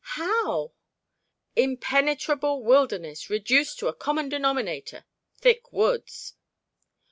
"How?" "Impenetrable wilderness—reduced to a common denominator, thick woods."